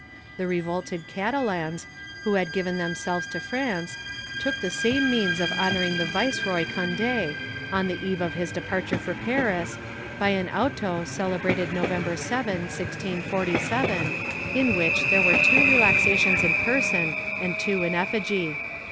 ^ The revolted Catalans, who had given themselves to France, took the same means of honoring the Viceroy Conde, on the eve of his departure for Paris, by an auto celebrated Novem ber 7, 1647, in which there were two relaxations in person and two in effigy.